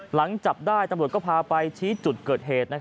หลังจับได้ตำรวจก็พาไปชี้จุดเกิดเหตุ